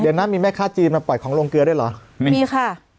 เดี๋ยวนะมีแม่ค้าจีนมาปล่อยของลงเกลือด้วยเหรอมีค่ะ